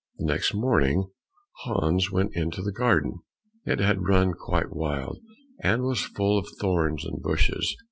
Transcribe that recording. The next morning Hans went into the garden. It had run quite wild, and was full of thorns and bushes.